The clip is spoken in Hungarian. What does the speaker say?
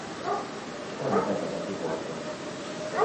Danny bevezeti Waltot.